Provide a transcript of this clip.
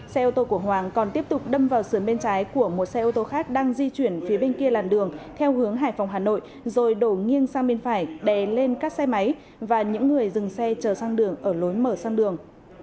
xe ô tô của hoàng còn tiếp tục đâm vào sườn bên trái của một xe ô tô khác đang di chuyển phía bên kia làn đường theo hướng hải phòng hà nội rồi đổ nghiêng sang bên phải đè lên các xe máy và những người dừng xe chờ sang đường ở lối mở sang đường